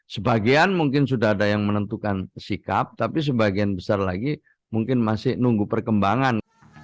sebagian mungkin sudah ada yang menentukan sikap tapi sebagian besar lagi mungkin masih nunggu perkembangan